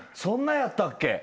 そんなやったっけ？